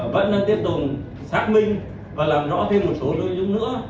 vẫn đang tiếp tục xác minh và làm rõ thêm một số nội dung nữa